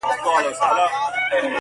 ماشومتوب د شخصیت د جوړېدو مهم پړاو دی.